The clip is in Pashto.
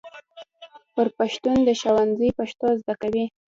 بر پښتون د ښوونځي پښتو زده کوي.